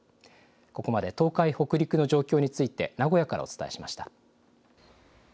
ここまで東海、北陸の状況について名古屋からお伝えしました。